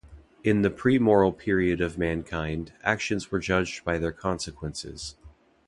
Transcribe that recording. In the "pre-moral" period of mankind, actions were judged by their consequences.